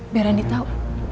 biar andi tau